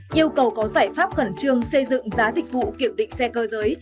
yêu cầu có giải pháp khẩn trương xây dựng giá dịch vụ kiểm định xe cơ giới